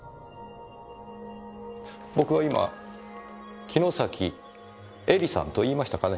僕は今城崎愛梨さんと言いましたかね？